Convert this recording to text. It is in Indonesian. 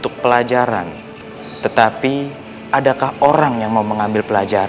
karena allah sudah memberikan jaminan